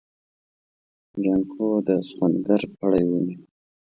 جانکو د سخوندر پړی ونيو.